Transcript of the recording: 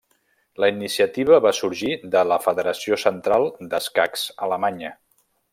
La iniciativa va sorgir de la Federació Central d'Escacs Alemanya.